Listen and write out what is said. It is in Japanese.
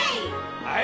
はい。